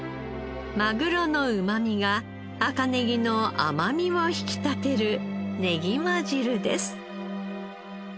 マグロのうまみが赤ネギの甘みを引き立てるねぎま汁です。